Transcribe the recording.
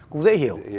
cũng dễ hiểu